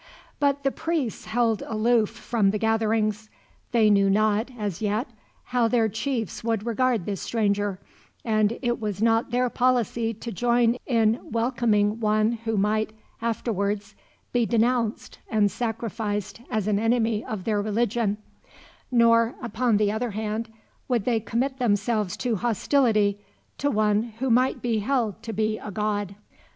But the priests held aloof from the gatherings. They knew not, as yet, how their chiefs would regard this stranger, and it was not their policy to join in welcoming one who might, afterwards, be denounced and sacrificed as an enemy of their religion; nor, upon the other hand, would they commit themselves to hostility to one who might be held to be a god.